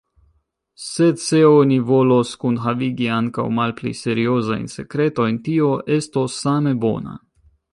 Sed se oni volos kunhavigi ankaŭ malpli seriozajn sekretojn, tio estos same bona.